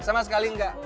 sama sekali enggak